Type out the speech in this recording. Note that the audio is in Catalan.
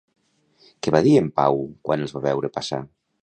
Què va dir en Pau quan els va veure passar?